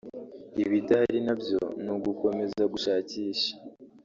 ibidahari nabyo ni ugukomeza gushakisha"